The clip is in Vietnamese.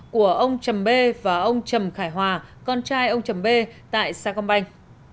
của ông trầm b và ông trầm khải hòa con trai ông trầm b tại sao công banh